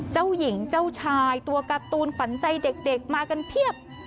เจ้าหญิงเจ้าชายตัวการ์ตูนขวัญใจเด็กมากันเพียบ